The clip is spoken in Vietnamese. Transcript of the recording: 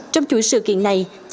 trong chuỗi sự kiện này